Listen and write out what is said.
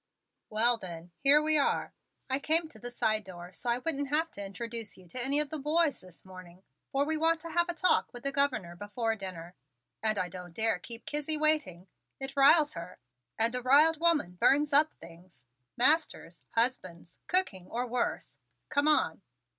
"Well, then, here we are. I came to the side door so I wouldn't have to introduce you to any of the boys this morning, for we want to have a talk with the Governor before dinner and I don't dare keep Kizzie waiting. It riles her, and a riled woman burns up things: masters, husbands, cooking or worse. Come on."